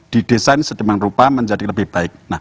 didesain sedemikian rupa menjadi lebih baik